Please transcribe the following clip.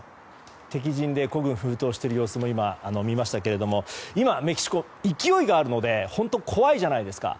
敵陣で孤軍奮闘しているような様子も見ましたが今、メキシコ勢いがあるので怖いじゃないですか。